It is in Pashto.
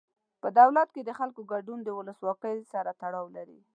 په دولت کې د خلکو ګډون د ولسواکۍ سره تړاو لري.